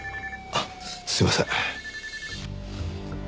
あっすいません。